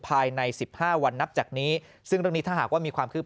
ปลายใน๑๕วันนับจากนี้ซึ่งดังนี้ถ้าหากว่ามีความคืบ